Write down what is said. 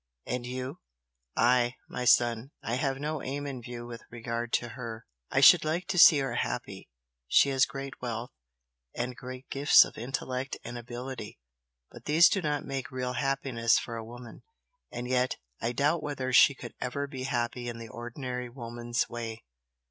"And you?" "I? My son, I have no aim in view with regard to her! I should like to see her happy she has great wealth, and great gifts of intellect and ability but these do not make real happiness for a woman. And yet I doubt whether she could ever be happy in the ordinary woman's way."